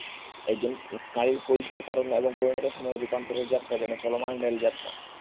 একজন নারীর কৈশোর, তারুণ্য এবং পরিণত সময়ের রূপান্তরের যাত্রা যেন চলমান রেলযাত্রা।